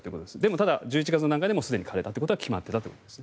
ただ、１１月の段階で彼だということは決まっていたということです。